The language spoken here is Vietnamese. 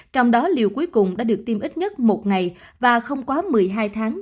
trong đó liều cuối cùng đã được tiêm ít nhất một ngày và không quá một mươi hai tháng